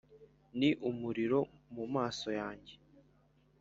ni umuriro mu maso yanjye,